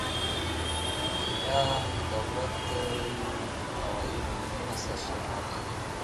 مالیه د دولت د عوایدو مهمه سرچینه ده